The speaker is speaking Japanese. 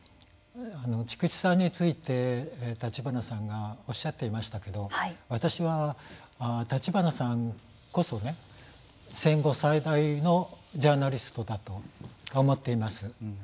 筑紫さんについて立花さんがおっしゃっていましたけど私は立花さんこそね戦後最大のジャーナリストだと思っています。